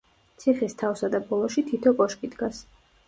ციხის თავსა და ბოლოში თითო კოშკი დგას.